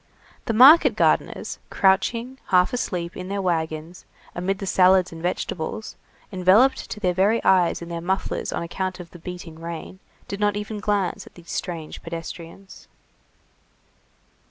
The market gardeners, crouching, half asleep, in their wagons, amid the salads and vegetables, enveloped to their very eyes in their mufflers on account of the beating rain, did not even glance at these strange pedestrians.